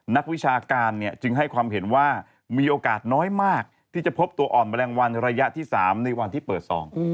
นักวิชาการจึงให้ความเห็นว่ามีโอกาสน้อยมากที่จะพบตัวอ่อนแมลงวันระยะที่๓ในวันที่เปิดซอง